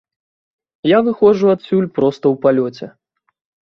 Я выходжу адсюль проста ў палёце.